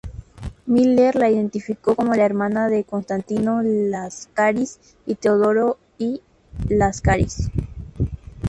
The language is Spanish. Miller la identificó como la hermana de Constantino Láscaris y Teodoro I Láscaris.